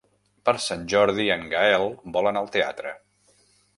Per Sant Jordi en Gaël vol anar al teatre.